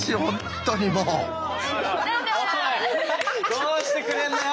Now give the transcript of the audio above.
どうしてくれるんだよ。